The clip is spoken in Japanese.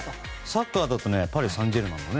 サッカーだとパリ・サンジェルマンが。